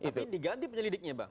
tapi diganti penyelidiknya bang